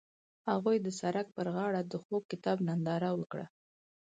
هغوی د سړک پر غاړه د خوږ کتاب ننداره وکړه.